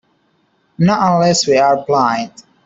Not unless we're blind.